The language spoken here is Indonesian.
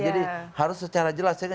jadi harus secara jelas